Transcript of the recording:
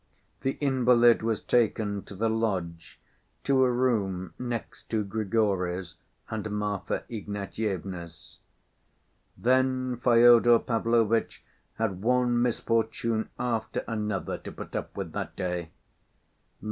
The invalid was taken to the lodge, to a room next to Grigory's and Marfa Ignatyevna's. Then Fyodor Pavlovitch had one misfortune after another to put up with that day.